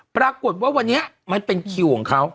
ปรากฏว่าวันนี้มันเป็นคิวของเขา